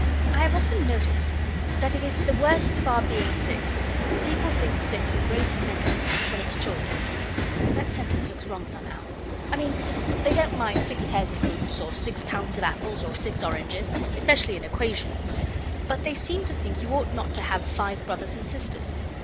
I have often noticed that it is the worst of our being six people think six a great many, when it's children. That sentence looks wrong somehow. I mean they don't mind six pairs of boots, or six pounds of apples, or six oranges, especially in equations, but they seem to think you ought not to have five brothers and sisters.